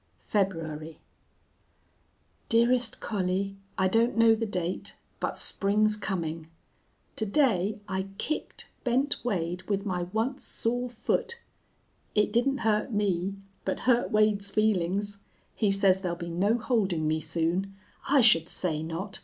"February . "DEAREST COLLIE, I don't know the date, but spring's coming. To day I kicked Bent Wade with my once sore foot. It didn't hurt me, but hurt Wade's feelings. He says there'll be no holding me soon. I should say not.